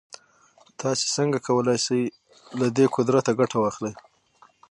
تاسې څنګه کولای شئ له دې قدرته ګټه واخلئ.